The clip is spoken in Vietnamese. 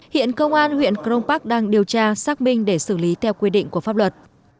hiện công an huyện crong park đang điều tra xác minh để xử lý theo quy định của pháp luật